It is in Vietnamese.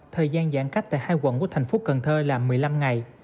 thời gian giãn cách tại hai quận của thành phố cần thơ là một mươi năm ngày